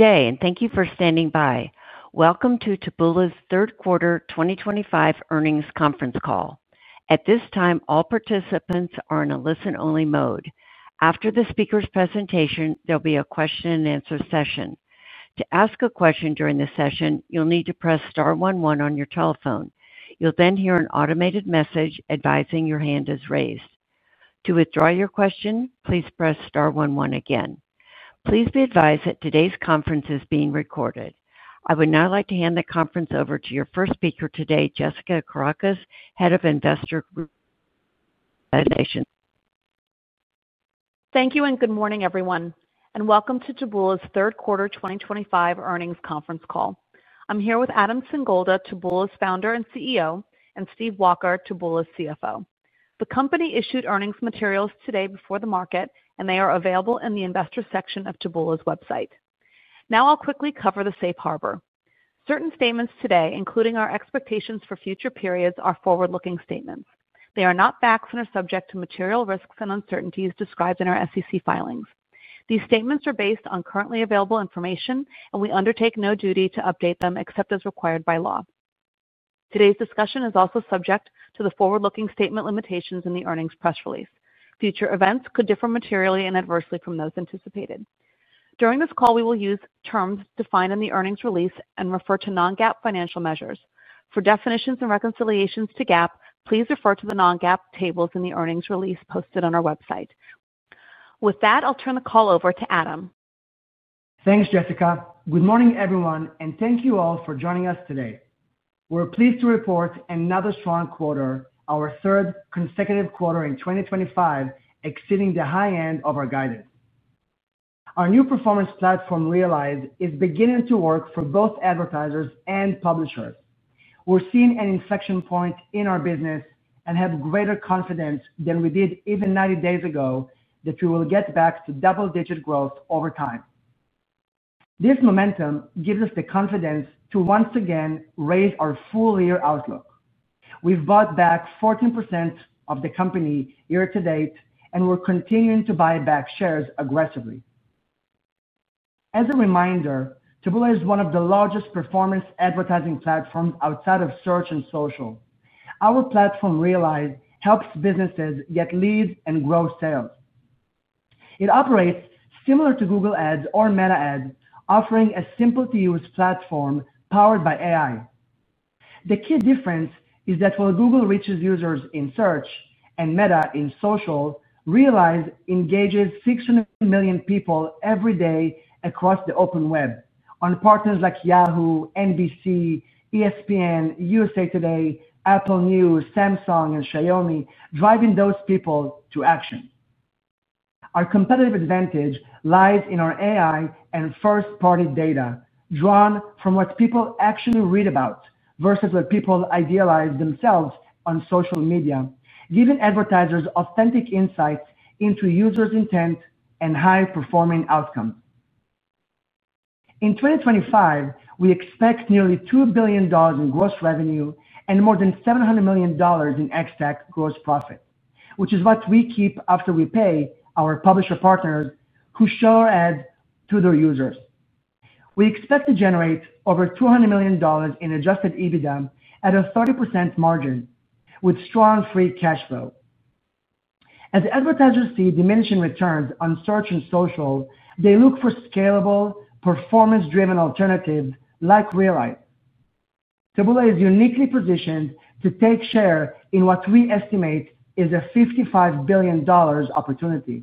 Good day and thank you for standing by. Welcome to Taboola's Third Quarter 2025 Earnings Conference Call. At this time all participants are in a listen only mode. After the speakers' presentation, there'll be a question and answer session. To ask a question during the session, you'll need to press star 11 on your telephone. You'll then hear an automated message advising your hand is raised to withdraw your question. Please press star 11 again. Please be advised that today's conference is being recorded. I would now like to hand the conference over to your first speaker today, Jessica Kourakos, Head of Investor Relations. Thank you and good morning everyone and welcome to Taboola's third quarter 2025 earnings conference call. I'm here with Adam Singolda, Taboola's Founder and CEO and Steve Walker, Taboola's CFO. The company issued earnings materials today before the market and they are available in the Investors section of Taboola's website now. I'll quickly cover the safe harbor. Certain statements today, including our expectations for future periods, are forward-looking statements. They are not facts and are subject to material risks and uncertainties described in our SEC filings. These statements are based on currently available information and we undertake no duty to update them except as required by law. Today's discussion is also subject to the forward-looking statement limitations in the earnings press release. Future events could differ materially and adversely from those anticipated. During this call we will use terms defined in the earnings release and refer to non-GAAP financial measures. For definitions and reconciliations to GAAP, please refer to the non-GAAP tables in the earnings release posted on our website. With that, I'll turn the call over to Adam. Thanks Jessica. Good morning everyone and thank you all for joining us today. We're pleased to report another strong quarter and our third consecutive quarter in 2024 exceeding the high end of our guidance. Our new performance platform Realize is beginning to work for both advertisers and publishers. We're seeing an inflection point in our business and have greater confidence than we did even 90 days ago that we will get back to double digit growth over time. This momentum gives us the confidence to once again raise our full year outlook. We've bought back 14% of the company year to date and we're continuing to buyback shares aggressively. As a reminder, Taboola is one of the largest performance advertising platforms outside of search and social. Our platform Realize helps businesses get leads and grow sales. It operates similar to Google Ads or Meta Ads, offering a simple to use platform that powered by AI. The key difference is that while Google reaches users in search and Meta in social, Realize engages 600 million people every day across the open web on partners like Yahoo, NBC, ESPN, USA Today, Apple News, Samsung and Xiaomi driving those people to action. Our competitive advantage lies in our AI and first party data drawn from what people actually read about versus what people idealize themselves on social media, giving advertisers authentic insights into users intent and high performing outcomes. In 2025 we expect nearly $2 billion in gross revenue and more than $700 million in ex-TAC gross profit, which is what we keep after we pay our publisher partners who show our ads to their users. We expect to generate over $200 million in adjusted EBITDA at a 30% margin with strong free cash flow. As advertisers see diminishing returns on search and social, they look for scalable performance driven alternatives like Realize. Taboola is uniquely positioned to take share in what we estimate is a $55 billion opportunity.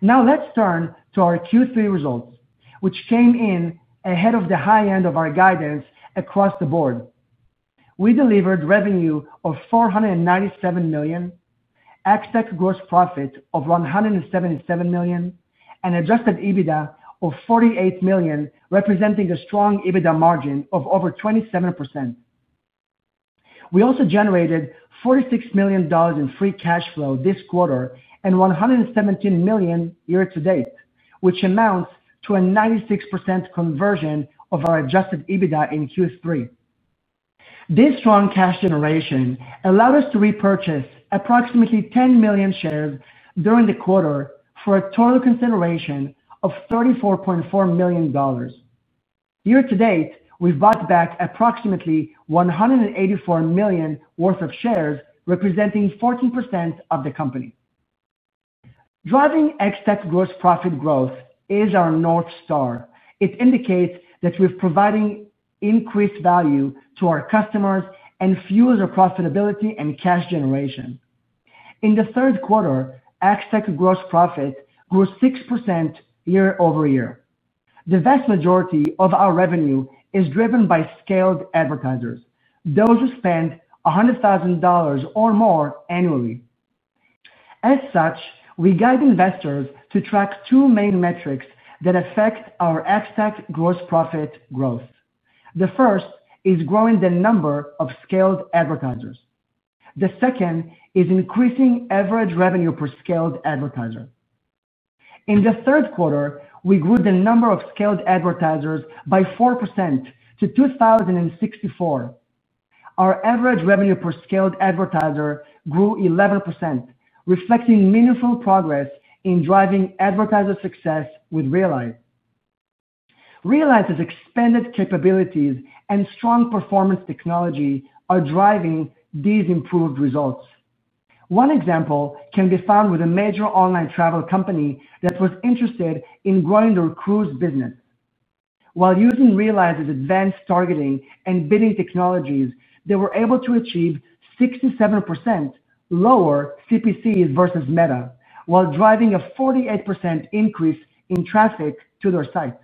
Now let's turn to our Q3 results which came in ahead of the high end of our guidance across the board. We delivered revenue of $497 million, ex-TAC gross profit of $177 million and adjusted EBITDA of $48 million, representing a strong EBITDA margin of over 27%. We also generated $46 million in free cash flow this quarter and $117 million year to date, which amounts to a 96% conversion of our adjusted EBITDA in Q3. This strong cash generation allowed us to repurchase approximately 10 million shares during the quarter for a total consideration of $34.4 million. Year to date we've bought back approximately $184 million worth of shares, representing 14% of the company. Driving ex-TAC gross profit growth is our North Star. It indicates that we're providing increased value to our customers and fuels our profitability and cash generation. In the third quarter, ex-TAC gross profit grew 6% year over year. The vast majority of our revenue is driven by scaled advertisers, those who spend $100,000 or more annually. As such, we guide investors to track two main metrics that affect our ex-TAC gross profit growth. The first is growing the number of scaled advertisers. The second is increasing average revenue per scaled advertiser. In the third quarter we grew the number of scaled advertisers by 4% to 2,064. Our average revenue per scaled advertiser grew 11%, reflecting meaningful progress in driving advertiser success with Realize. Realize's expanded capabilities and strong performance technology are driving these improved results. One example can be found with a major online travel company that was interested in growing their cruise business. While using Realize's advanced targeting and bidding technologies, they were able to achieve 67% lower CPC versus Meta while driving a 48% increase in traffic to their site.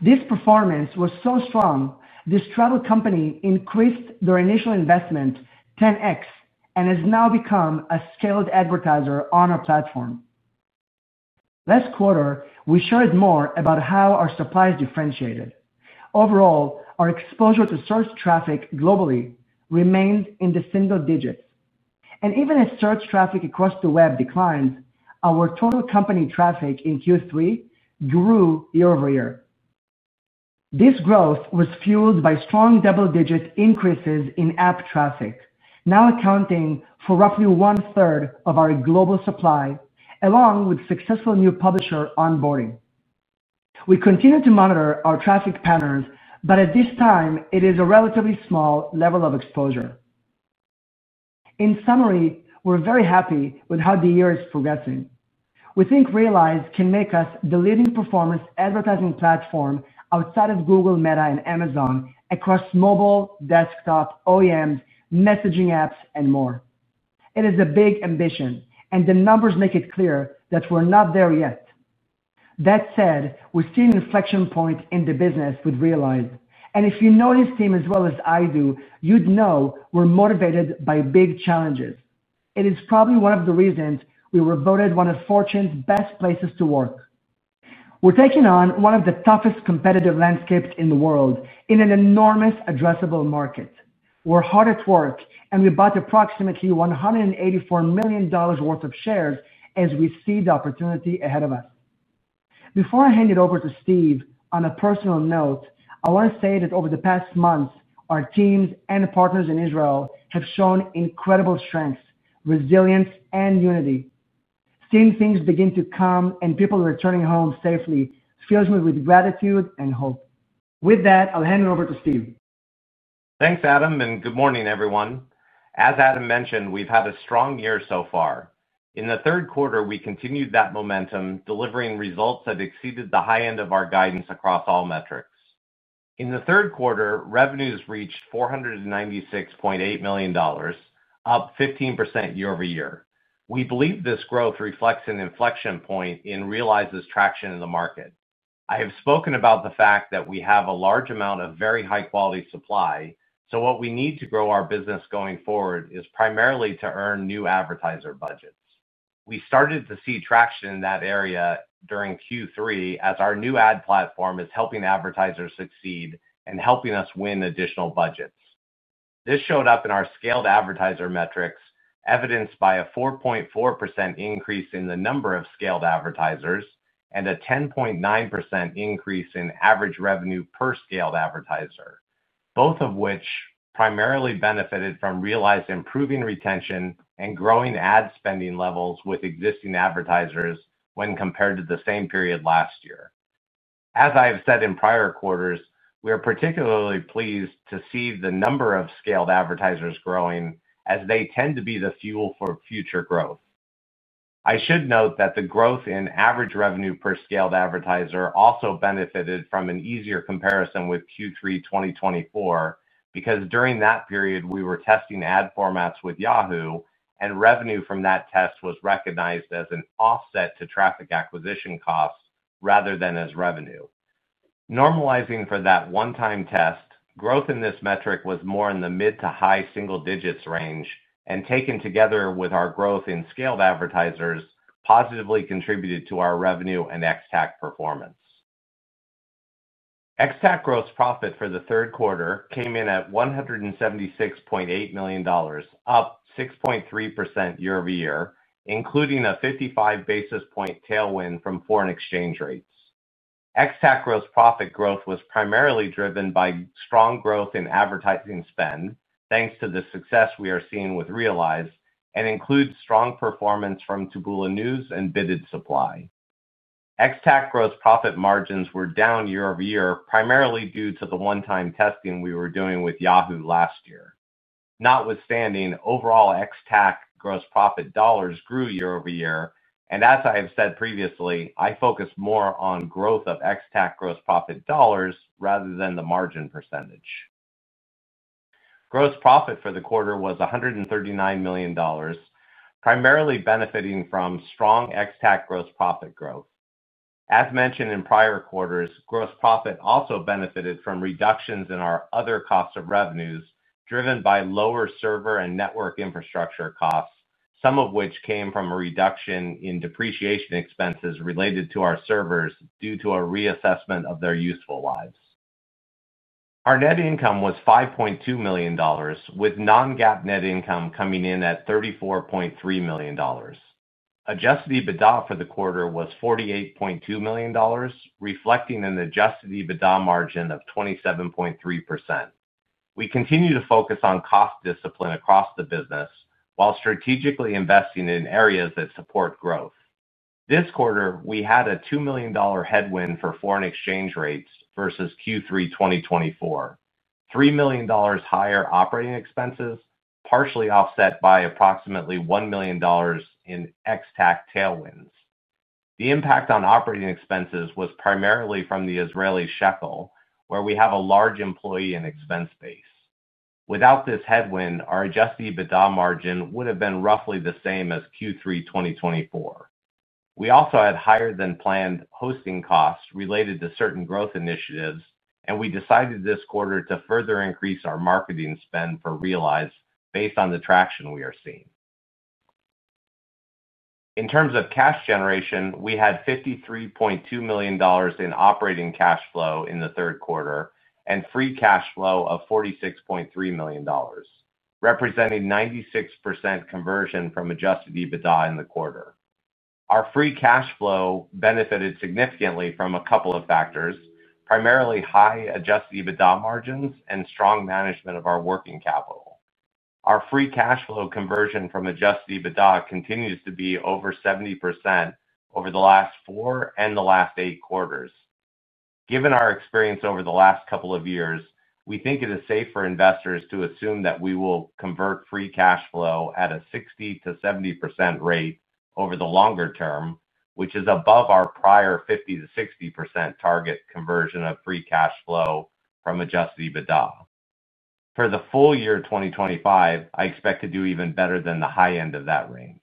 This performance was so strong, this travel company increased their initial investment 10x and has now become a scaled advertiser on our platform. Last quarter we shared more about how our supply is differentiated. Overall, our exposure to search traffic globally remained in the single digits, and even as search traffic across the web declined, our total company traffic in Q3 grew year over year. This growth was fueled by strong double digit increases in app traffic, now accounting for roughly 1/3 of our global supply. Along with successful new publisher onboarding. We continue to monitor our traffic patterns, but at this time it is a relatively small level of exposure. In summary, we're very happy with how the year is progressing. We think Realize can make us the leading performance advertising platform outside of Google, Meta and Amazon across mobile, desktop, OEMs, messaging apps and more. It is a big ambition and the numbers make it clear that we're not there yet. That said, we're seeing an inflection point in the business with Realize, and if you know this team as well as I do, you'd know we're motivated by big challenges. It is probably one of the reasons we were voted one of Fortune's Best places to work. We're taking on one of the toughest competitive landscapes in the world in an enormous, addressable market. We're hard at work and we bought approximately $184 million worth of shares as we see the opportunity ahead of us. Before I hand it over to Steve, on a personal note, I want to say that over the past months our teams and partners in Israel have shown incredible strength, resilience and unity. Seeing things begin to come and people returning home safely fills me with gratitude and hope. With that, I'll hand it over to Steve. Thanks Adam and good morning everyone. As Adam mentioned, we've had a strong year so far. In the third quarter we continued that momentum, delivering results that exceeded the high end of our guidance across all metrics. In the third quarter, revenues reached $496.8 million, up 15% year over year. We believe this growth reflects an inflection point and Realize's traction in the market. I have spoken about the fact that we have a large amount of very high quality supply, so what we need to grow our business going forward is primarily to earn new advertiser budgets we started to see traction in that area during Q3 as our new ad platform is helping advertisers succeed and helping us win additional budgets. This showed up in our scaled advertiser metrics evidenced by a 4.4% increase in the number of scaled advertisers and a 10.9% increase in average revenue per scaled advertiser, both of which primarily benefited from Realize improving retention and growing ad spending levels with existing advertisers when compared to the same period last year. As I have said in prior quarters, we are particularly pleased to see the number of scaled advertisers growing as they tend to be the fuel for future growth. I should note that the growth in average revenue per scaled advertiser also benefited from an easier comparison with Q3 2024 because during that period we were testing ad formats with Yahoo and revenue from that test was recognized as an offset to traffic acquisition costs rather than as revenue. Normalizing for that one time test. Growth in this metric was more in the mid to high single digits range and taken together with our growth in scaled advertisers positively contributed to our revenue and ex-TAC performance. ex-TAC gross profit for the third quarter came in at $176.8 million, up 6.3% year over year including a 55 basis point tailwind from foreign exchange rates. ex-TAC gross profit growth was primarily driven by strong growth in advertising spending. Thanks to the success we are seeing with Realize and includes strong performance from Taboola News and Bidded Supply. ex-TAC gross profit margins were down year over year primarily due to the one time testing we were doing with Yahoo last year. Notwithstanding overall ex TAC gross profit dollars grew year over year and as I have said previously, I focus more on growth of ex-TAC gross profit dollars rather than the margin percentage. Gross profit for the quarter was $139 million, primarily benefiting from strong ex-TAC gross profit growth. As mentioned in prior quarters, gross profit also benefited from reductions in our other cost of revenues driven by lower server and network infrastructure costs, some of which came from a reduction in depreciation expenses related to our servers due to a reassessment of their useful lives. Our net income was $5.2 million with non GAAP net income coming in at $34.3 million. Adjusted EBITDA for the quarter was $48.2 million, reflecting an adjusted EBITDA margin of 27.3%. We continue to focus on cost discipline across the business while strategically investing in areas that support growth. This quarter we had a $2 million headwind for foreign exchange rates versus Q3 2024, $3 million higher operating expenses partially offset by approximately $1 million in ex-TAC tailwinds. The impact on operating expenses was primarily from the Israeli Shekel where we have a large employee and expense base. Without this headwind, our adjusted EBITDA margin would have been roughly the same as Q3 2024. We also had higher than planned hosting costs related to certain growth initiatives and we decided this quarter to further increase our marketing spend for Realize based on the traction we are seeing in terms of cash generation. We had $53.2 million in operating cash flow in the third quarter and free cash flow of $46.3 million, representing 96% conversion from adjusted EBITDA in the quarter. Our free cash flow benefited significantly from a couple of factors, primarily high adjusted EBITDA margins and strong management of our working capital. Our free cash flow conversion from adjusted EBITDA continues to be over 70% over the last four and the last eight quarters. Given our experience over the last couple of years, we think it is safe for investors to assume that we will convert free cash flow at a 60% to 70% rate over the longer term, which is above our prior 50% to 60% target conversion of free cash flow from adjusted EBITDA. For the full year 2025, I expect to do even better than the high end of that range.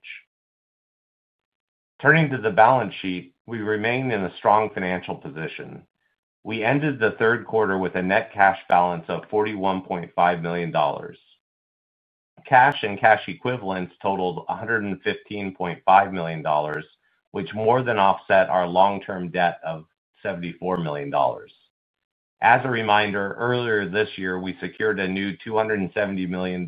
Turning to the balance sheet, we remain in a strong financial position. We ended the third quarter with a net cash balance of $41.5 million. Cash and cash equivalents totaled $115.5 million, which more than offset our long term debt of $74 million. As a reminder, earlier this year we secured a new $270 million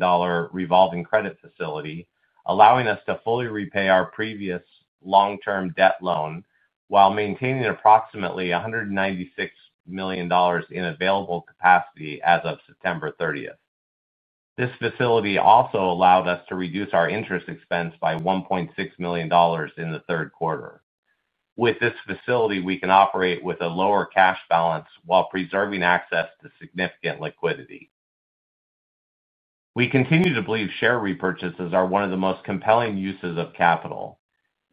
revolving credit facility allowing us to fully repay our previous long term debt loan while maintaining approximately $196 million in available capacity as of September 30th. This facility also allowed us to reduce our interest expense by $1.6 million in the third quarter. With this facility, we can operate with a lower cash balance while preserving access to significant liquidity. We continue to believe share repurchases are one of the most compelling uses of capital.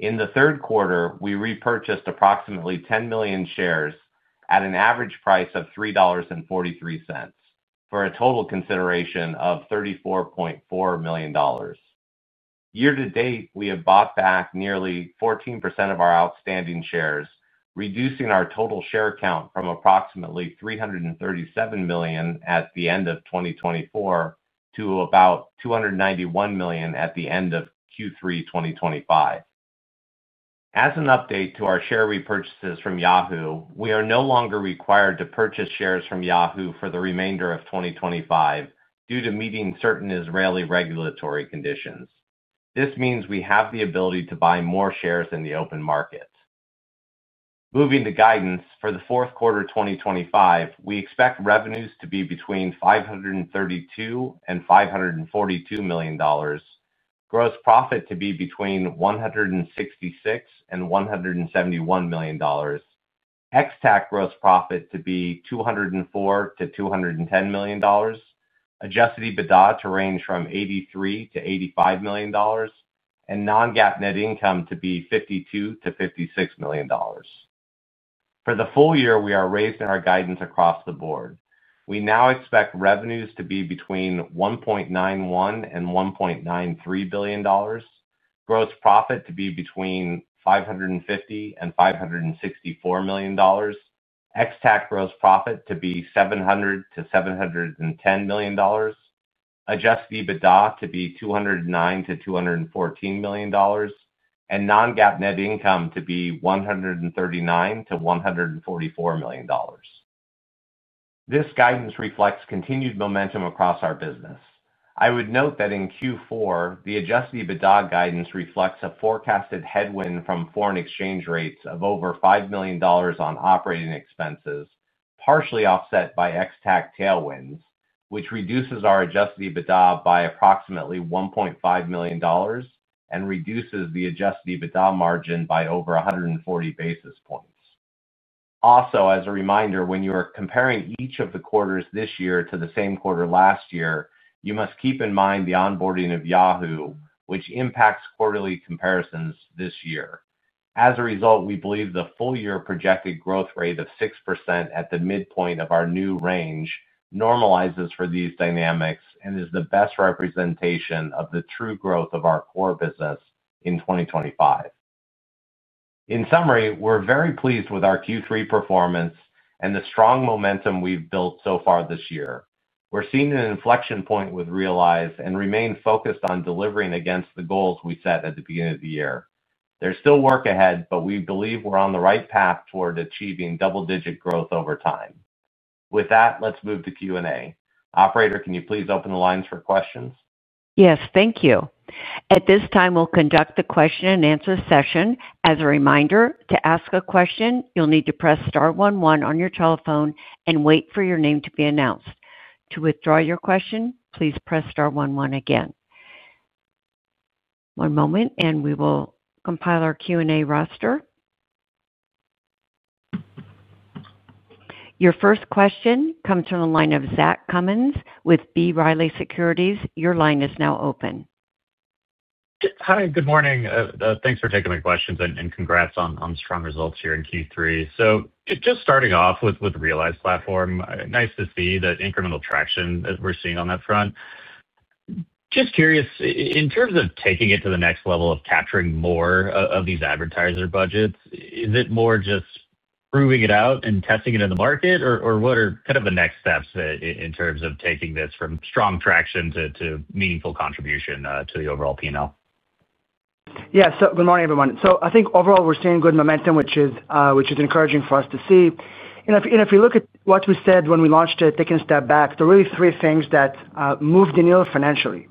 In the third quarter, we repurchased approximately 10 million shares at an average price of $3.43 for a total consideration of $34.4 million. Year to date, we have bought back nearly 14% of our outstanding shares, reducing our total share count from approximately 337 million at the end of 2024 to about 291 million at the end of Q3. 2025. As an update to our share repurchases from Yahoo, we are no longer required to purchase shares from Yahoo for the remainder of 2025 due to meeting certain Israeli regulatory conditions. This means we have the ability to buy more shares in the open market. Moving to guidance for the fourth quarter 2025, we expect revenues to be between $532 million and $542 million, gross profit to be between $166 million and $171 million, ex-TAC gross profit to be $204 million to $210 million, adjusted EBITDA to range from $83 million to $85 million and non GAAP net income to be $52 million to $56 million. For the full year, we are raising our guidance across the board. We now expect revenues to be between $1.91 billion and $1.93 billion, gross profit to be between $550 million and $564 million, ex-TAC gross profit to be $700 million to $710 million, adjusted EBITDA to be $209 million to $214 million and non-GAAP net income to be $139 million to $144 million. This guidance reflects continued momentum across our business. I would note that in Q4 the adjusted EBITDA guidance reflects a forecasted headwind from foreign exchange rates of over $5 million on operating expenses, partially offset by ex-TAC tailwinds, which reduces our adjusted EBITDA by approximately $1.5 million and reduces the adjusted EBITDA margin by over 140 basis points. Also, as a reminder, when you are comparing each of the quarters this year to the same quarter last year, you must keep in mind the onboarding of Yahoo, which impacts quarterly comparisons this year. As a result, we believe the full year projected growth rate of 6% at the midpoint of our new range normalizes for these dynamics and is the best representation of the true growth of our core business in 2025. In summary, we're very pleased with our Q3 performance and the strong momentum we've built so far this year. We're seeing an inflection point with Realize and remain focused on delivering against the goals we set at the beginning of the year. There's still work ahead, but we believe we're on the right path toward achieving double digit growth over time. With that, let's move to Q&A. Operator, can you please open the lines for questions? Yes, thank you. At this time we'll conduct the question and answer session. As a reminder to ask a question, you'll need to press Star 11 on your telephone and wait for your name to be announced. To withdraw your question, please press star 11 again. One moment and we will compile our Q and A roster. Your first question comes from the line of Zach Cummins with B. Riley Securities. Your line is now open. Hi, good morning. Thanks for taking the questions and congrats on strong results here in Q3. So just starting off with Realize platform, nice to see that incremental traction that we're seeing on that front. Just curious, in terms of taking it to the next level of capturing more of these advertiser budgets, is it more just proving it out and testing it in the market or what are kind of the next steps in terms of taking this from strong traction to meaningful contribution to the overall P&L? Yes. Good morning everyone. So I think overall we're seeing good momentum, which is encouraging for us to see. If you look at what we said when we launched it, taking a step back, there are really three things that move Danielle financially.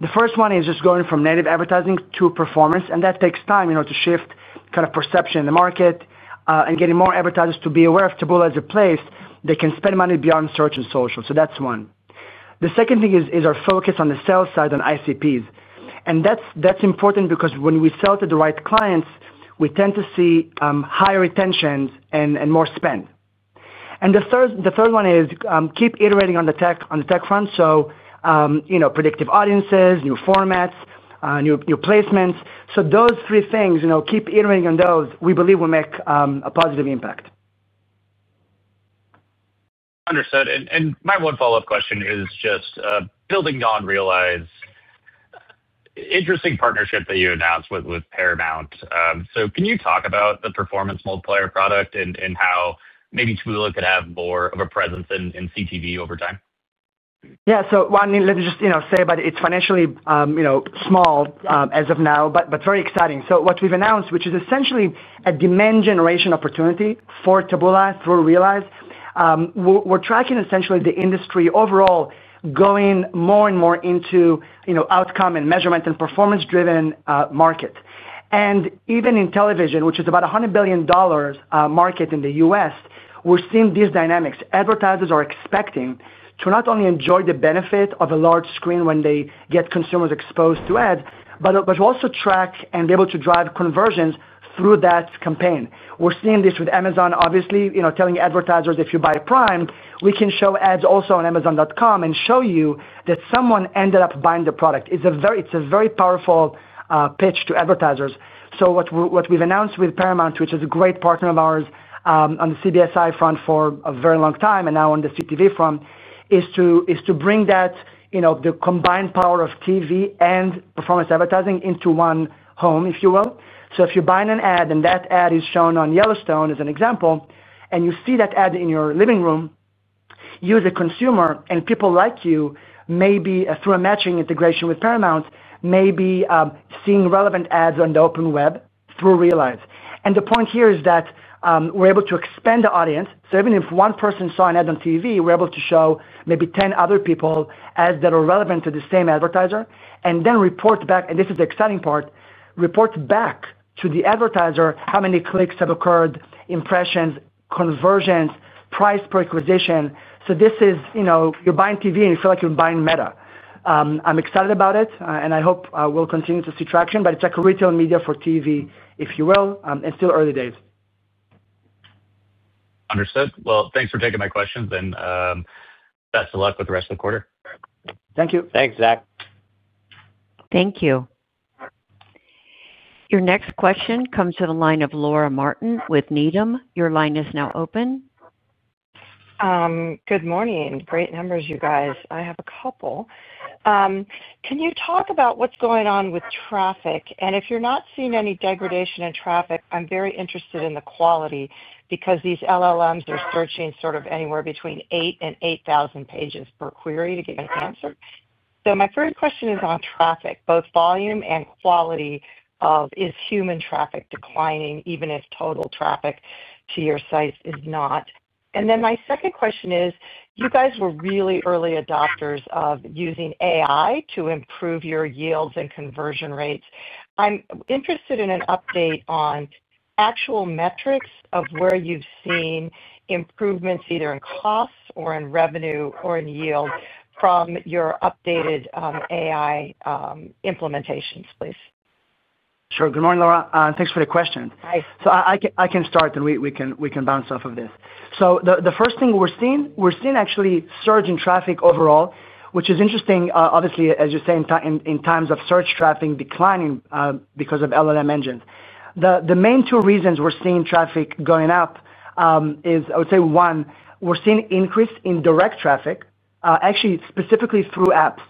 The first one is just going from native advertising to performance. And that takes time to shift perception in the market and getting more advertisers to be aware of Taboola as a place they can spend money beyond search and social. So that's one. The second thing is our focus on the sales side and ICPs. And that's important because when we sell to the right clients we tend to see higher retentions and more spend. And the third one is keep iterating on the tech front. So predictive audiences, new formats, new placements. So those three things keep iterating on those we believe will make a positive impact. Understood. And my one follow up question is just building on Realize interesting partnership that you announced with Paramount. So can you talk about the performance multiplier product and how maybe Taboola could have more of a presence in CTV over time? Yeah, so let me just say it's financially small as of now, but very exciting. So what we've announced, which is essentially a demand generation opportunity for Taboola through Realize, we're tracking essentially the industry overall going more and more into outcome and measurement and performance driven market. And even in television, which is about $100 billion market in the U.S. we we're seeing these dynamics. Advertisers are expecting to not only enjoy the benefit of a large screen when they get consumers exposed to ads, but also track and be able to drive conversions through that campaign. We're seeing this with Amazon obviously telling advertisers if you buy prime, we can show ads also on Amazon.com and show you that someone ended up buying the product. It's a very powerful pitch to advertisers. So what we've announced with Paramount, which is a great partner of ours on the CBSI front for a very long time and now on the CTV front, is to bring that the combined power of TV and performance advertising into one home, if you will. So if you're buying an ad and that ad is shown on Yellowstone as an example, and you see that ad in your living room, you as a consumer and people like you may be, through a matching integration with Paramount, may be seeing relevant ads on the open web through Realize. And the point here is that we're able to expand the audience. So even if one person saw an ad on TV, we're able to show maybe 10 other people, ads that are relevant to the same advertiser and then report back. And this is the exciting part, report back to the advertiser how many clicks have occurred, impressions, conversions, price per acquisition. So this is, you know, you're buying TV and you feel like you're buying meta. I'm excited about it. I and I hope we'll continue to see traction. But it's like a retail media for tv, if you will. And still early days. Understood. Well, thanks for taking my questions and best of luck with the rest of the quarter. Thank you. Thanks, Zach. Thank you. Your next question comes to the line of Laura Martin with Needham. Your line is now open. Good morning. Great numbers, you guys. I have a couple. Can you talk about what's going on with traffic? And if you're not seeing any degradation in traffic, I'm very interested in the quality because these LLMs are searching sort of anywhere between 8 and 8,000 pages per query to get an answer. So my first question is on traffic, both volume and quality. Is human traffic declining even if total traffic to your site is not? And then my second question is, you guys were really early adopters of using AI to improve your yields and conversion rates. I'm interested in an update on actual metrics of where you've seen improvements either in costs or in revenue or in yield from your updated AI implementations, please. Sure. Good morning, Laura. Thanks for the question. So I can start and we can bounce off of this. So the first thing we're seeing, we're seeing actually surge in traffic overall, which is interesting. Obviously, as you say, in times of search, traffic declining because of LLM engines. The main two reasons we're seeing traffic going up Is I would say one, we're seeing increase in direct traffic actually specifically through apps.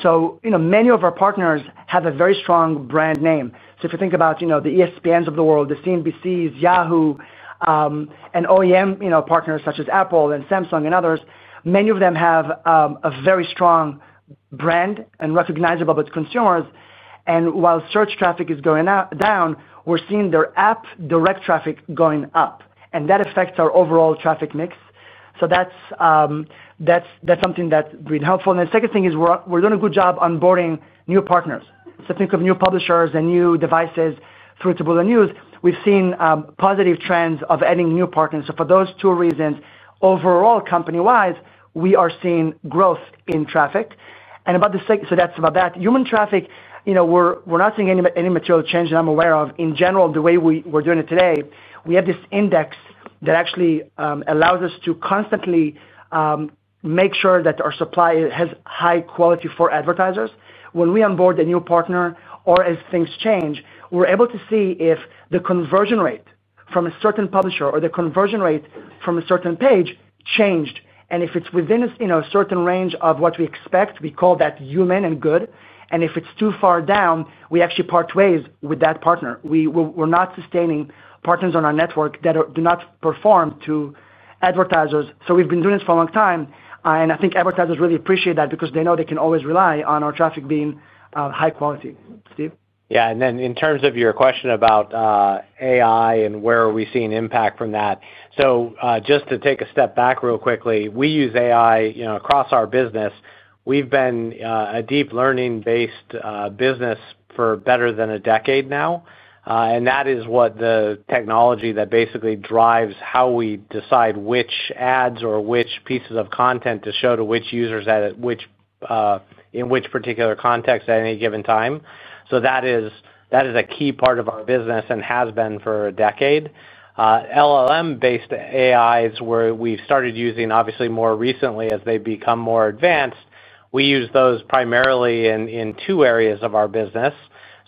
So many of our partners have a very strong brand name. So if you think about the ESPN's of the world, the CNBC, Yahoo and OEM partners such as Apple and Samsung and others, many of them have a very strong brand and recognizable of its consumers. And while search traffic is going down, we're seeing their app direct traffic going up and that affects our overall traffic mix. So that's something that's really helpful. And the second thing is we're doing a good job onboarding new partners. So think of new publishers and new devices. Through Taboola News, we've seen positive trends of adding new partners. So for those two reasons overall, company wise, we are seeing growth in traffic. And about the, so that's about that human traffic. We're not seeing any material change that I'm aware of. In general, the way we're doing it today, we have this index that actually allows us to constantly make sure that our supply has high quality for advertisers when we onboard a new partner or as things change, we're able to see if the conversion rate from a certain publisher or the conversion rate from a certain page changed and if it's within a certain range of what we expect, we call that human and good. And if it's too far down, we actually part ways with that partner. We're not sustaining partners on our network that do not perform to advertisers. So we've been doing this for a long time and I think advertisers really appreciate that because they know they can always rely on our traffic being high quality. Steve? Yeah, and then in terms of your question about AI and where are we seeing impact from that? So just to take a step back real quickly, we use AI across our business. We've been a deep learning based business for better than a decade now. And that is what the technology that basically drives how we decide which ads or which pieces of content to show to which users at which in which particular context at any given time. So that is a key part of our business and has been for a decade. LLM based AIs where we've started using obviously more recently as they become more advanced, we use those primarily in two areas of our business.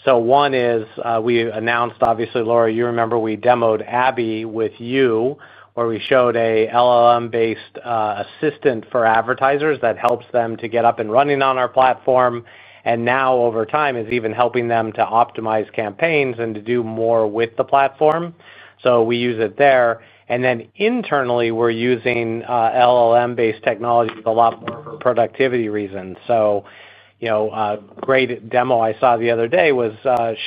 So one is we announced obviously Laura, you remember we demoed Abby with you where we showed a LLM based assistant for advertisers that helps them to get up and running on our platform and now over time is even helping them to optimize campaigns and to do more with the platform. So we use it there and then internally we are using LLM based technology a lot more for productivity reasons. So great demo I saw the other day was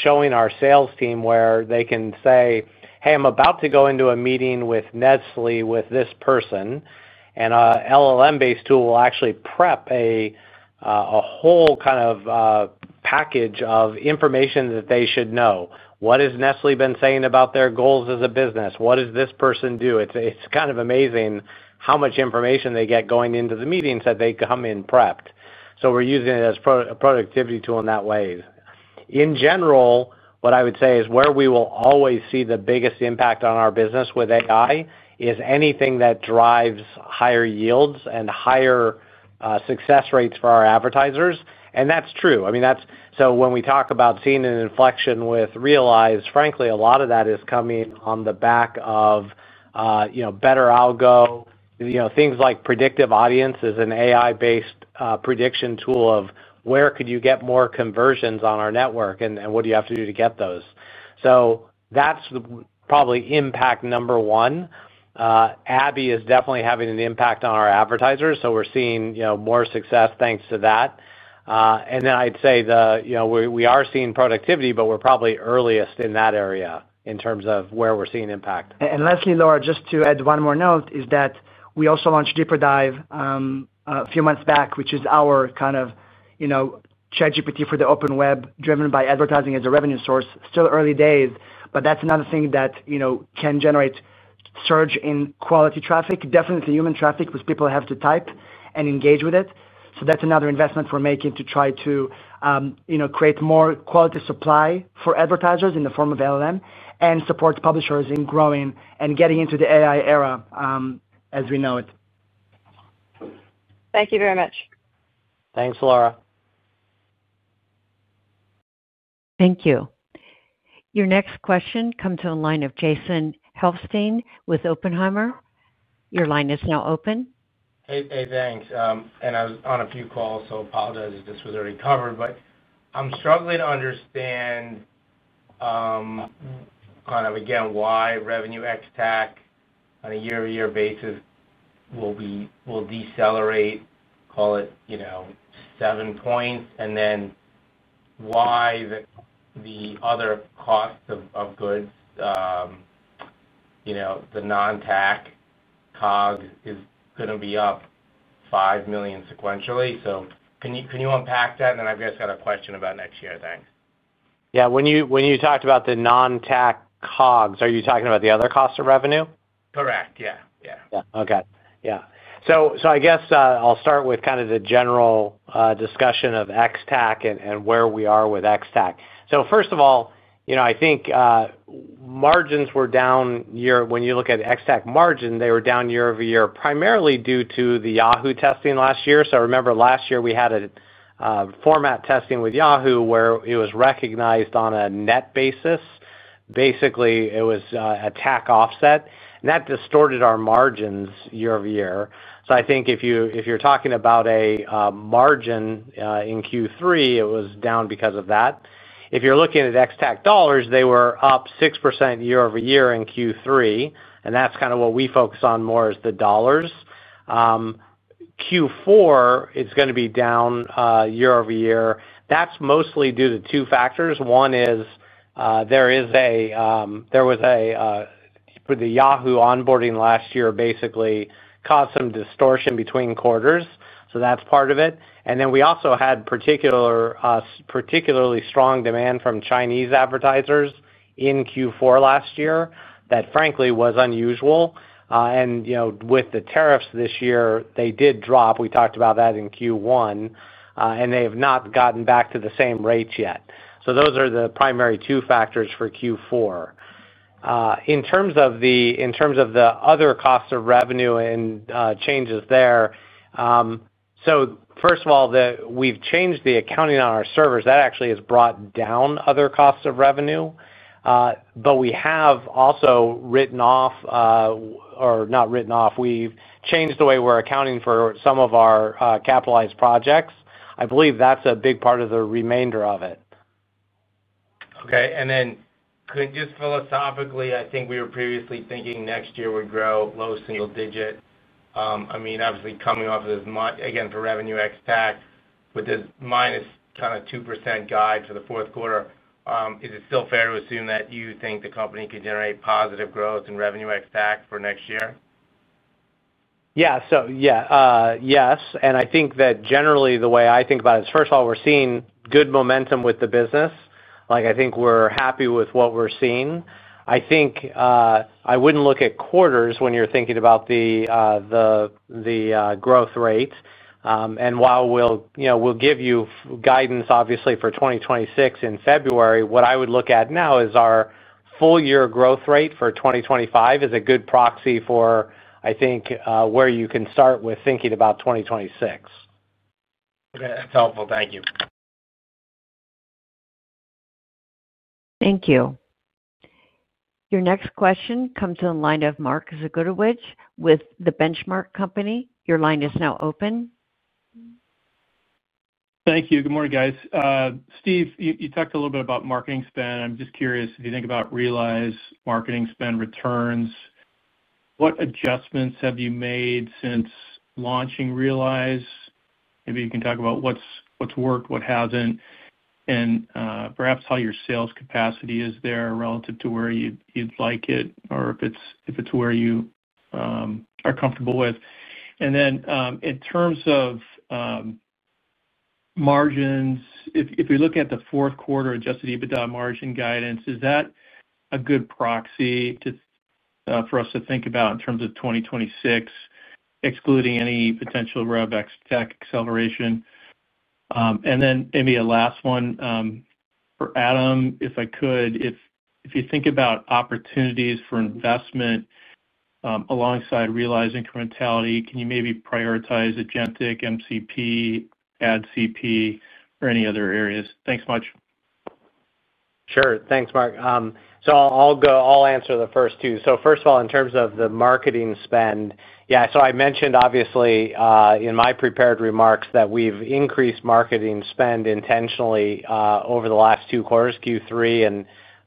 showing our sales team where they can say hey, I'm about to go into a meeting with Nestlé with this person and LLM based tool will actually prep a whole kind of package of information that they should know what has Nestlé been saying about their goals as a business? What does this person do? It's kind of amazing how much information they get going into the meetings that they come in prepped. So we're using it as a productivity tool in that way. In general, what I would say is where we will always see the biggest impact on our business with AI is anything that drives higher yields and higher success rates for our advertisers. And that's true. I mean that's. So when we talk about seeing an inflection with Realize frankly a lot of that is coming on the back of better algo things like predictive audiences, an AI based prediction tool of where could you get more conversions on our network and what do you have to do to get those. So that's probably impact number one. Abby is definitely having an impact on our advertisers so we're seeing more success thanks to that. And then I'd say we are seeing productivity but we're probably earliest in that area in terms of where we're seeing impact. And lastly Laura, just to add one more note is that we also launched DeeperDive a few months back which is our kind of ChatGPT for the open web driven by advertising as a revenue source. Still early days, but that's another thing that can generate surge in quality traffic, definitely human traffic because people have to type and engage with it. So that's another investment we're making to try to create more quality supply for advertisers in the form of LLM and support publishers in growing and getting into the AI era as we know it. Thank you very much. Thanks Laura. Thank you. Your next question comes in line of Jason Helfstein with Oppenheimer. Your line is now open. Hey, thanks. And I was on a few calls so apologize if this was already covered but I'm struggling to understand kind of again why revenue ex-TAC on a year over year basis will decelerate. Call it 7 points. And then why the other cost of goods, the non-TAC COGS is going to be up $5 million sequentially. So can you unpack that? And then I've just got a question about next year. Thanks. Yeah. When you talked about the non-TAC COGS, are you talking about the other cost of revenue? Correct. Yeah. Okay. Yeah. So I guess I'll start with kind of the general discussion of ex-TAC and where we are with ex-TAC. So first of all, I think margins were down. When you look at ex-TAC margin, they were down year over year primarily due to the Yahoo testing last year. So remember last year we had it format testing with Yahoo where it was recognized on a net basis. Basically it was a tack offset that distorted our margins year over year. So I think if you're talking about a margin in Q3, it was down because of that. If you're looking at ex-TAC dollars, they were up 6% year over year in Q3. And that's kind of what we focus on more is the dollars Q4 is going to be down year over year. That's mostly due to two factors. One is there is a. There was a. -- The Yahoo onboarding last year basically caused some distortion between quarters. So that's part of it. And then we also had particularly strong demand from Chinese advertisers in Q4 last year. That frankly was unusual. And with the tariffs this year, they did drop. We talked about that in Q1 and they have not gotten back to the same rates yet. So those are the primary two factors for Q4 in terms of the other cost of revenue and changes there. So first of all, we've changed the accounting on our servers that actually has brought down other costs of revenue. But we have also written off or not written off. We've changed the way we're accounting for some of our capitalized projects. I believe that's a big part of the remainder of it. Okay. And then just philosophically, I think we were previously thinking next year would grow low single digit. I mean, obviously coming off of this again for revenue ex-TAC, with this. Minus kind of 2% guide for the fourth quarter, is it still fair to assume that you think the company could generate positive growth in revenue ex-TAC for next year? Yes. And I think that generally the way I think about it is first of all, we're seeing good momentum with the business. Like I think we're happy with what we're seeing. I think I wouldn't look at quarters when you're thinking about the growth rate. And while we'll give you guidance obviously for 2026 in February, what I would look at now is our full year growth rate for 2025 is a good proxy for I think where you can start with thinking about 2026. Okay, that's helpful. Thank you. Thank you. Your next question comes in line of Mark Zgutowicz with The Benchmark Company. Your line is now open. Thank you. Good morning, guys. Steve, you talked a little bit about marketing spend. I'm just curious if you think about Realize marketing spend returns, what adjustments have. You made since launching Realize? Maybe you can talk about what's worked, what hasn't, and perhaps how your sales capacity is there relative to where you'd like it or if it's where you are comfortable with. And then in terms of margins, if we look at the fourth quarter adjusted EBITDA margin guidance, is that a good proxy for us to think about in. Terms of 2026 excluding any potential rev ex-TAC acceleration? And then maybe a last one for Adam, if I could, if, if you think about opportunities for investment alongside Realize incrementality, can you Maybe prioritize AgentIC, MCP. AdCP or any other areas? Thanks much. Sure. Thanks, Mark. So I'll go, I'll answer the first two. So first of all, in terms of the marketing spend. Yeah. So I mentioned obviously in my prepared remarks that we've increased marketing spend spend intentionally over the last two quarters, Q3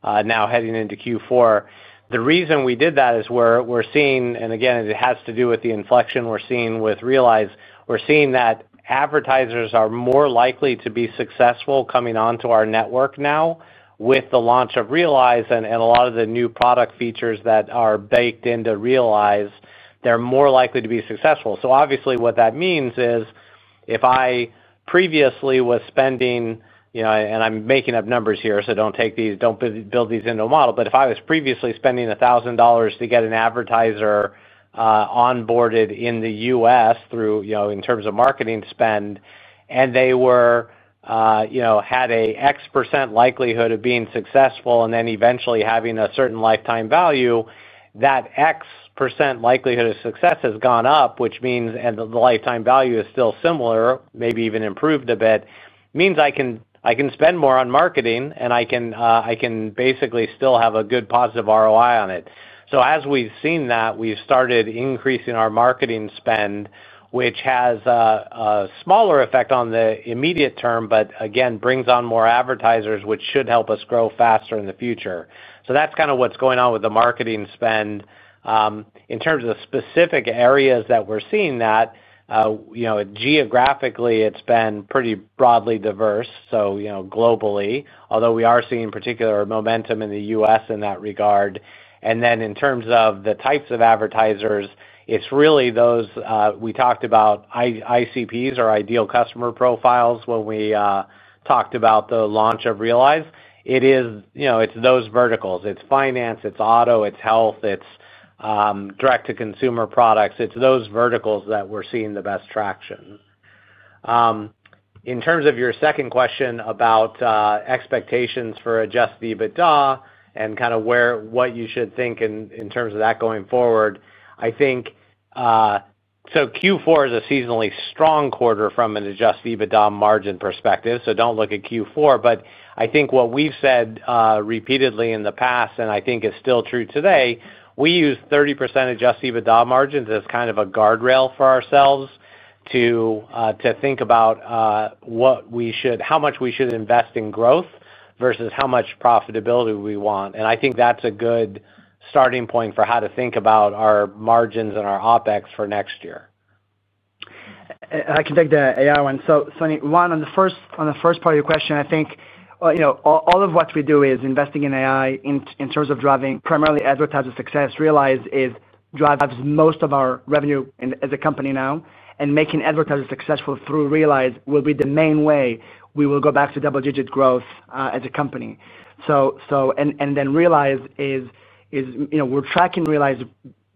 and now heading into Q4. The reason we did that is we're seeing, and again, it has to do with the inflection we're seeing with Realize. We're seeing that advertisers are more likely to be successful coming onto our network. Now with the launch of Realize and a lot of the new product features that are baked into Realize, they're more likely to be successful. So obviously what that means is if I previously was spending, and I'm making up numbers here, so don't take these, don't build these into a model. But if I was previously spending $1,000 to get an advertiser onboarded in the US in terms of marketing spend and they had a x percent likelihood of being successful and then eventually having a certain lifetime value, that x percent likelihood of success has gone up, which means the lifetime value is still similar, maybe even improved a bit, means I can spend more on marketing and I can basically still have a good positive ROI on it. So as we've seen that we started increasing our marketing spend, which has a smaller effect on the immediate term, but again brings on more advertisers, which should help us grow faster in the future. So that's kind of what's going on with the marketing spend in terms of specific areas that we're seeing that geographically it's been pretty broadly diverse. So globally although we are seeing particular momentum in the U.S. in that regard. And then in terms of the types of advertisers, it's really those we talked about icps or ideal customer profiles. When we talked about the launch of Realize, it is it's those verticals, it's finance, it's auto, it's health, it's direct to consumer products. It's those verticals that we're seeing the best traction. In terms of your second question about expectations for adjusted EBITDA and kind of where what you should think in terms of that going forward? I think so Q4 is a seasonally strong quarter from an adjusted EBITDA margin perspective. So don't look at Q4. But I think what we've said repeatedly in the past and I think is still true Today, we use 30% adjusted EBITDA margins as kind of a guardrail for ourselves to think about what we should how much we should invest in growth versus how much profitability we want. And I think that's a good starting point for how to think about our margins and our OpEx for next year. I can take the AI one Sony. Juan, on the first part of your question, I think all of what we do is investing in AI in terms of driving primarily advertiser success. Realize is drives most of our revenue as a company now and making advertising successful through Realize will be the main way we will go back to double digit growth as a company. And then Realize is -- we're tracking Realize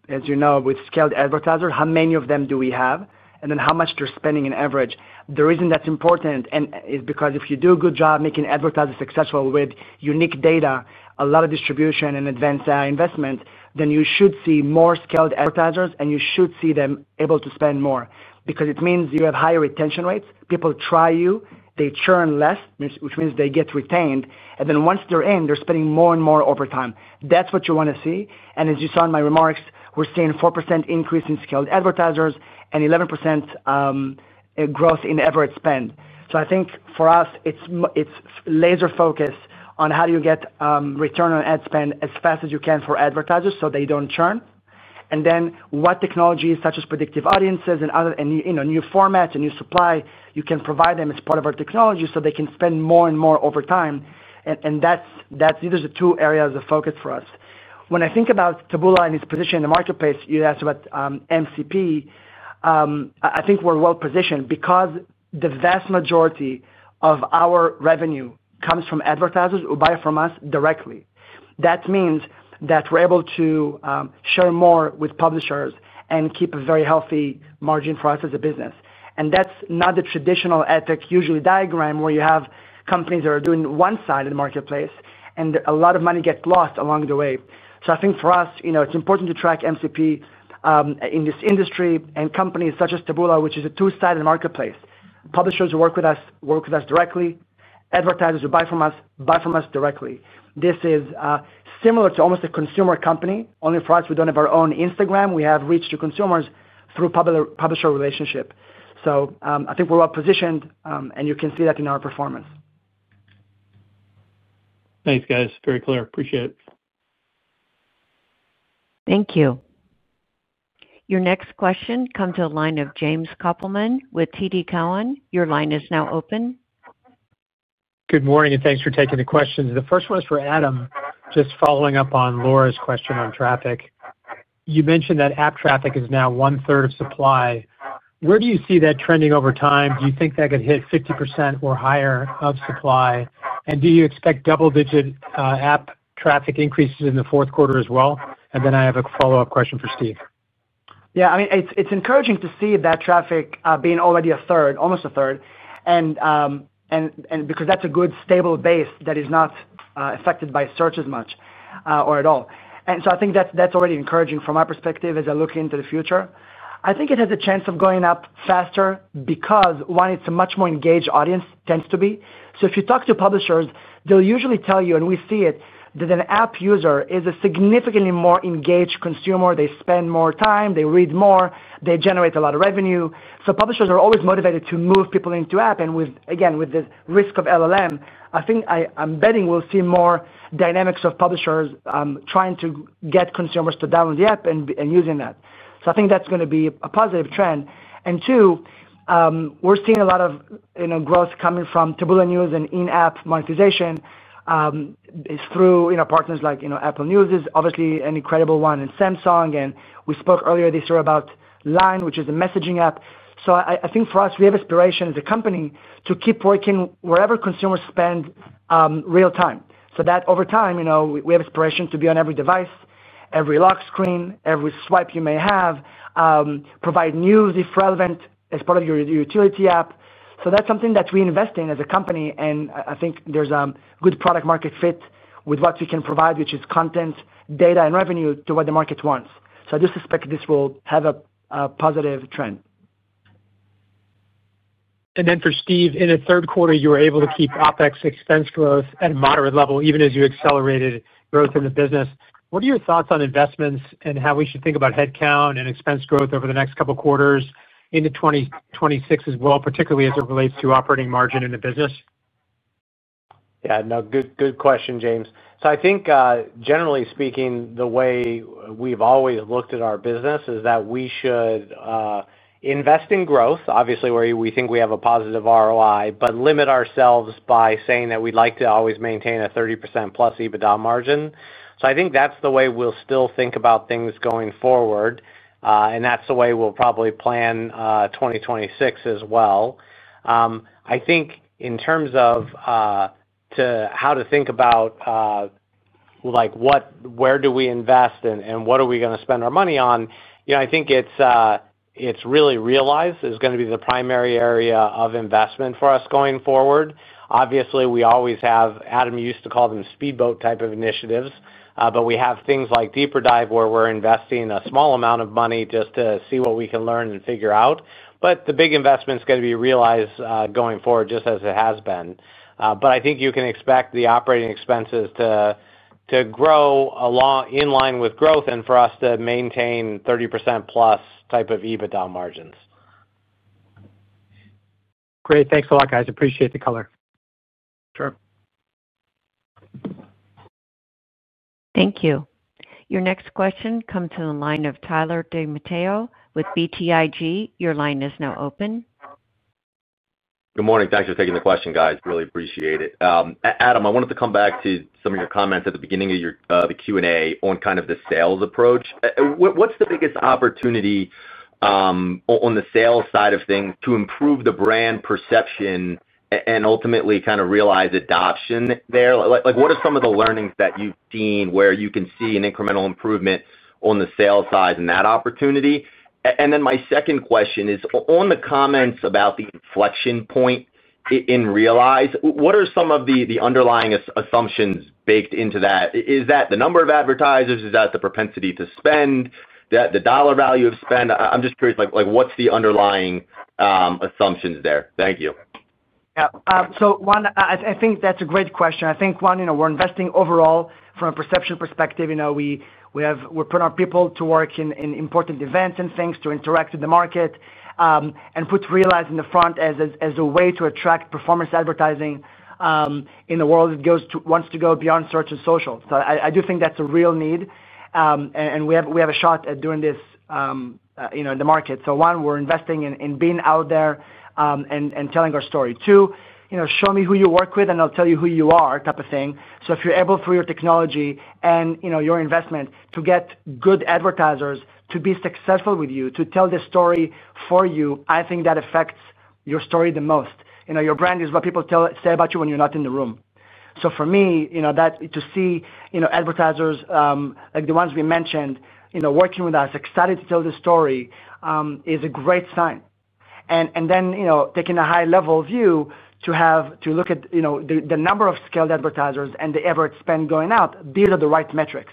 as you know, with scaled advertisers, how many of them do we have and then how much they're spending on average. The reason that's important is because if you do a good job making advertising successful with unique data, a lot of distribution and advanced AI investment, then you should see more skilled advertisers and you should see them able to spend more because it means you have higher retention rates. People try you they churn less, which means they get retained and then once they're in, they're spending more and more overtime. That's what you want to see. And as you saw in my remarks, we're seeing 4% increase in skilled advertisers and 11% growth in average spend. So I think for us it's laser focused on how do you get return on ad spend as fast as you can for advertisers so they don't churn and then what technologies such as predictive audiences and other new formats and new supply you can provide Them as part of our technology so they can spend more and more over time. And these are the two areas of focus for us. When I think about Taboola and its position in the marketplace. You asked about MCP. I think we're well positioned because the vast majority of our revenue comes from advertisers who buy from us directly. That means that we're able to share more with publishers and keep a very healthy margin for us as a business. And that's not the traditional ethic usually diagram where you have companies that are doing one in the marketplace and a lot of money gets lost along the way. So I think for us it's important to track MCP in this industry and companies such as Taboola, which is a two sided marketplace. Publishers who work with us, work with us directly. Advertisers who buy from us, buy from us directly. This is similar to almost a consumer company, only for us. We don't have our own Instagram. We have reached to consumers through publisher relationship. So I think we're well positioned and you can see that in our performance. Thanks guys. Very clear. Appreciate it. Thank you. Your next question comes to the line of James Koppelman with TD Cowen. Your line is now open. Good morning and thanks for taking the questions. The first one is for Adam.Just following up on Laura's question on traffic. You mentioned that app traffic is now. 1/3 of supply. Where do you see that trending over time? Do you think that could hit 50% or higher of supply? And do you expect double-digit app traffic increases in the fourth quarter as well? And then I have a follow up question for Steve. Yeah, I mean it's encouraging to see that traffic being already a third, almost. A third. Because that's a good stable base that is not affected by search as much or at all. And so I think that's already encouraging. From my perspective, as I look into the future, I think it has a chance of going up faster because one, it's a much more engaged audience, tends to be. So if you talk to publishers they'll usually tell you, and we see it, that an app user is a significantly more engaged consumer. They spend more time, they read more, they generate a lot of revenue. So publishers are always motivated to move people into app and again with the risk of LLM, I think I'm betting we'll see more dynamics of publishers trying to get consumers to download the app and using that. So I think that's going to be a positive trend. And two, we're seeing a lot of growth coming from Taboola News and in app monetization through partners like Apple News is obviously an incredible one. And Samsung and we spoke earlier this year about Line, which is a messaging app. So I think for us, we have aspirations a company to keep working wherever consumers spend real time so that over time we have inspiration to be on every device, every lock screen, every swipe you may have provide news, if relevant, as part of your utility app. So that's something that we invest in as a company and I think there's a good product market fit with what we can provide, which is content, data and revenue to what the market wants. So I do suspect this will have a positive trend. And then for Steve, in the third quarter you were able to keep OEx expense growth at a moderate level even as you accelerated growth in the business. What are your thoughts on investments and how we should think about headcount and expense growth over the next couple quarters. Into 2026 as well, particularly as it relates to operating margin in the business? Yeah, no. Good question, James. So I think generally speaking, the way we've always looked at our business is that we should invest in growth, obviously where we think we have a positive ROI, but limit ourselves by saying that we'd like to always maintain a 30% plus EBITDA margin. So I think that's the way we'll still think about things going forward and that's the way we'll probably plan 2026 as well. I think in terms of how to think about like what where do we invest and what are we going to spend our money on, I think it's really Realize is going to be the primary area of investment for us going forward. Obviously we always have Adam used to call them speedboat type of initiatives, but we have things like DeeperDive where we're investing a small amount of money just to see what we can learn and figure out. But the big investment is going to be Realize going forward just as it has been. But I think you can expect the operating expenses to to grow along in line with growth and for U.S. to maintain 30% plus type of EBITDA margins. Great. Thanks a lot guys. Appreciate the color. Sure. Thank you. Your next question comes to the line of Tyler DiMatteo with BTIG. Your line is now open. Good morning. Thanks for taking the question, guys. Really appreciate it. Adam, I wanted to come back to some of your comments at the beginning of the Q&A on kind of the sales approach. What's the biggest opportunity on the sales side of things to improve the brand perception and ultimately kind of Realize adoption. There like what are some of the learnings that you've seen where you can see an incremental improvement on the sales size and that opportunity. And then my second question is on the comments about the inflection point in Realize. What are some of the underlying assumptions baked into that? Is that the number of advertisers, is that the propensity to spend, the dollar value of spend? I'm just curious, what's the underlying assumptions there? Thank you. So I think that's a great question. I think one, we're investing overall from a perception perspective. We're putting our people to work in important events and things to interact with the the market and put Realize in the front as a way to attract performance advertising in the world that wants to go beyond search and social. I do think that's a real need and we have a shot at doing this in the market. So one, we're investing in being out there and telling our story. Two, show me who you work with and I'll tell you who you are type of thing. So if you're able through your technology and you're investing to get good advertisers to be successful with you, to tell the story for you, I think that affects your story the most. Your brand is what people say about you when you're not in the room. So for me to see advertisers like the ones we mentioned, working with us, excited to tell the story is a great sign. And then taking a high level view to have to look at the number of skilled advertisers and the average speaker spend going out. These are the right metrics.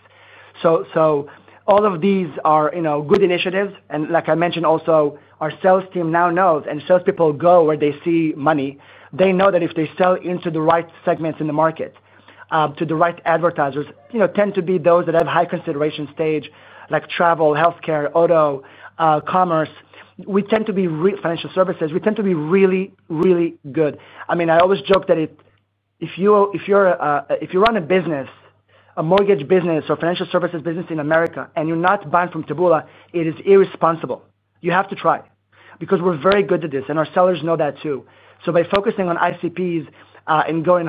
So all of these are good initiatives. And like I mentioned also our sales team now knows and salespeople go where they see money. They know that if they sell into the right segments in the market, to the right advertisers tend to be those that have high consideration stage like travel, healthcare, auto commerce. We tend to be financial services. We tend to be really, really. I mean I always joke that. If you run a business, a mortgage business or financial services business in America and you're not buying from Taboola, it is irresponsible. You have to try because we're very good at this and our sellers know that too. So by focusing on ICPs and going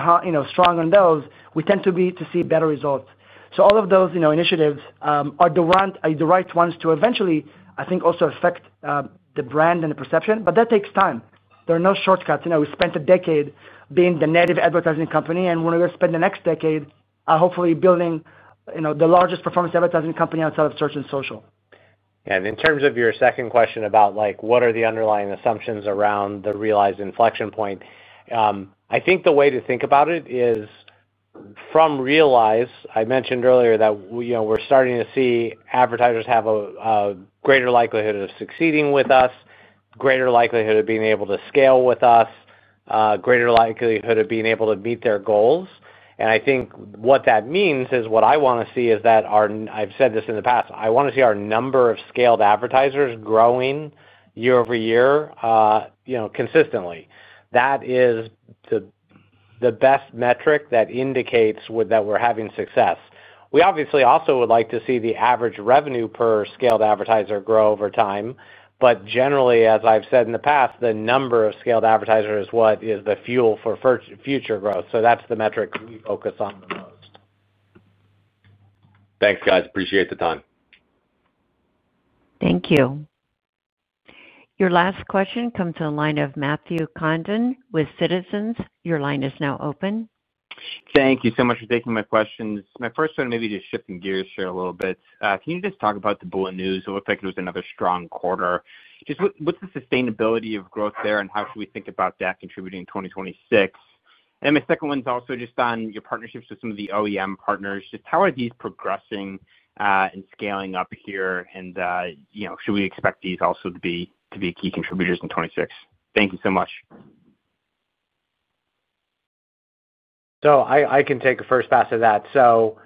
strong on those, we tend to be to see better results. So all of those initiatives are the right ones to eventually I think also affect the brand and the perception. But that takes time. There are no shortcuts. We spent a decade being the native advertising company and we're going to spend the next decade hopefully building the largest performance advertising company outside of search and social. In terms of your second question about what are the underlying assumptions around the Realize inflection point, I think the way to think about it is from Realize. I mentioned earlier that we're starting to see advertisers have greater likelihood of succeeding with us, greater likelihood of being able to scale with us, greater likelihood of being able to meet their goals. And I think what that means is what I want to see is that I've said this in the past. I want to see our number of scaled advertisers growing year over year consistently. That is the best metric that indicates that we're having success. We obviously also would like to see the average revenue per scaled advertiser grow over time. But generally, as I've said in the past, the number of scaled advertisers is what is the fuel for future growth. So that's the metric we focus on the most. Thanks guys. Appreciate the time. Thank you. Your last question comes from the line of Matthew Condon with Citizens. Your line is now open. Thank you so much for taking my questions. My first one, maybe just shifting gears here a little bit. Can you just talk about the Taboola News? It looks like it was another strong quarter. Just what's the sustainability of growth there and how should we think about that contributing 2026? And my second one's also just on your partnerships with some of the OEM partners. Just how are these progressing and scaling up here and should we expect these also to be key contributors in 26? Thank you so much. So I can take a first pass at that. So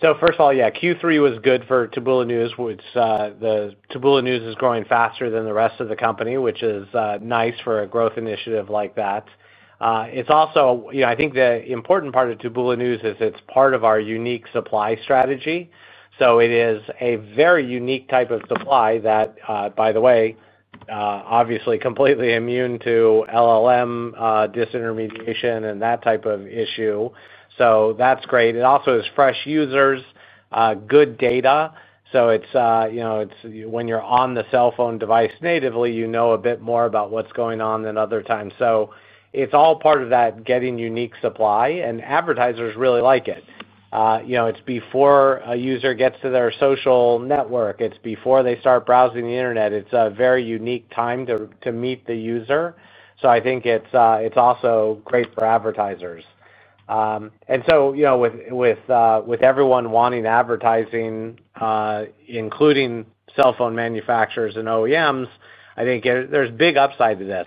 first of all, yeah, Q3 was good for Taboola News. Taboola News is growing faster than the rest of the company, which is nice for a growth initiative like that. It's also, I think the important part of Taboola News is it's part of our unique supply strategy. So it is a very unique type of supply that, by the way, obviously completely immune to LLM disintermediation and that type of issue. So that's great. It also is fresh users, good data. So when you are on the cell phone device natively, you know a bit more about what's going on than other times. So it's all part of that getting unique supply and advertisers really like it. It's before, before a user gets to their social network, it's before they start browsing the Internet. It's a very unique time to meet the user. So I think it's also great for advertisers. With everyone wanting advertising, including cell phone manufacturers and OEMs, I think there's a big upside to this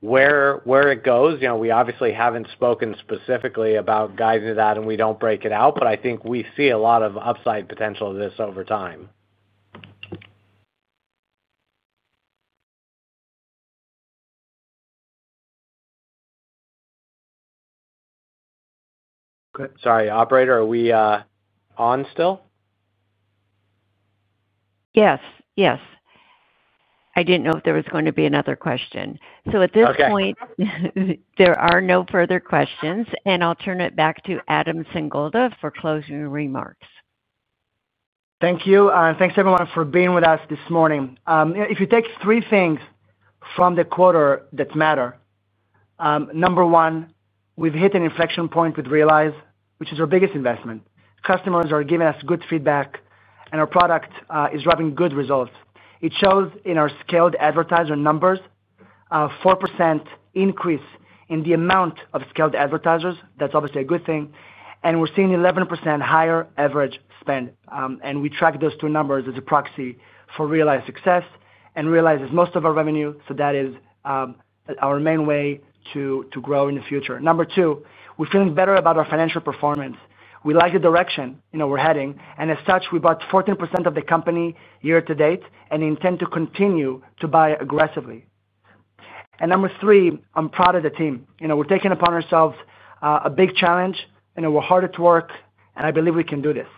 where it goes. We obviously haven't spoken specifically about guiding to that and we don't break it out, but I think we see a lot of upside potential of this over time. Sorry, operator, are we on still? Yes. I didn't know if there was going to be another question, so at this point, there are no further questions and I'll turn it back to Adam Sangolda for closing remarks. Thank you. Thanks, everyone for being with us this morning. If you take three things from the quarter that matter, number one, we've hit an inflection point with Realize, which is our biggest investment. Customers are giving us good feedback and our product is driving good results. It shows in our scaled advertiser numbers. 4% increase in the amount of scaled advertisers, that's obviously a good thing. And we're seeing 11% higher average spend. And we track those two numbers as a proxy for Realize success and Realize's most of our revenue. So that is our main way to grow in the future. Number two, we're feeling better about our financial performance. We like the direction we're heading and as such, we bought 14% of the company year to date and intend to continue to buy aggressively. And number three, I'm proud of the team. We're taking upon ourselves a big challenge. We're hard at work and I believe we can do this.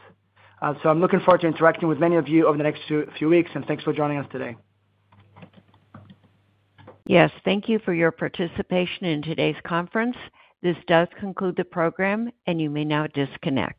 So I'm looking forward to interacting with many of you over the next few weeks. And thanks for joining us today. Yes, thank you for your participation in today's conference. This does conclude the program and you may now disconnect.